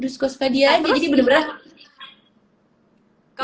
suka suka dia aja jadi bener bener